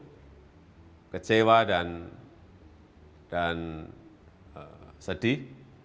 saya kecewa dan sedih